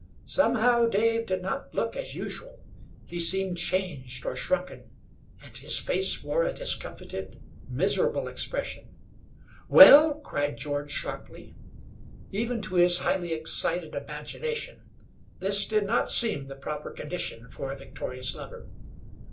Somehow, Dave did not look as usual. He seemed changed, or shrunken, and his face wore a discomfited, miserable expression. "Well?" cried George, sharply. Even to his highly excited imagination this did not seem the proper condition for a victorious lover.